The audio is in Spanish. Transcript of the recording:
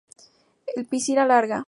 En piscina larga